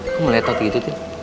kok meletak begitu tini